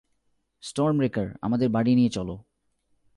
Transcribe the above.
Sturm breaker, আমাদের বাড়ি নিয়ে চলো।